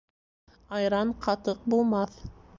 Айран ҡатыҡ булмаҫ.